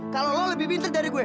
kalau lo lebih pinter dari gue